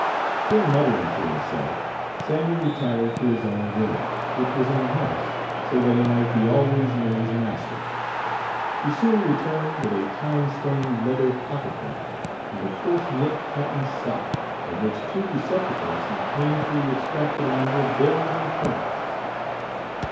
Still muttering to himself, Sandy retired to his own room, which was in the house, so that he might be always near his master. He soon returned with a time stained leather pocket book and a coarse knit cotton sock, from which two receptacles he painfully extracted a number of bills and coins.